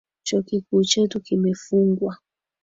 Chuo kikuu chetu kimefungwa.